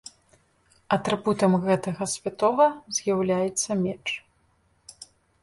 Атрыбутам гэтага святога з'яўляецца меч.